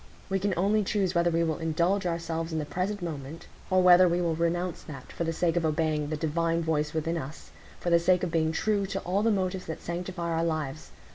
We can only choose whether we will indulge ourselves in the present moment, or whether we will renounce that, for the sake of obeying the divine voice within us,—for the sake of being true to all the motives that sanctify our lives.